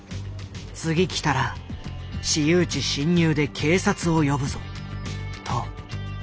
次来たら私有地侵入で警察を呼ぶぞ」と。